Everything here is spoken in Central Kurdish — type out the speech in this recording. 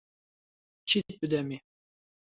چیت بدەمێ؟